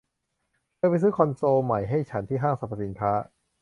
เธอไปซื้อคอนโซลใหม่ให้ฉันที่ห้างสรรพสินค้า